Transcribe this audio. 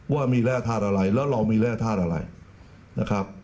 ว่ามีแร่ธาตุอะไรแล้วเรามีแร่ธาตุอะไรนะครับ